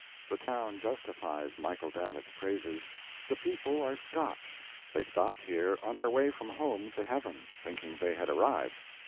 The town justifies Michael Davitt's praises. The people are Scotch. They stopped here on their way from home to heaven thinking they had arrived.